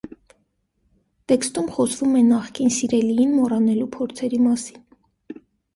Տեքստում խոսվում է նախկին սիրելիին մոռանալու փորձերի մասին։